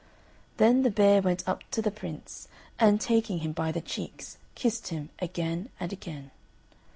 Then the bear went up to the Prince, and taking him by the cheeks, kissed him again and again.